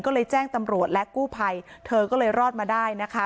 ก็เลยแจ้งตำรวจและกู้ภัยเธอก็เลยรอดมาได้นะคะ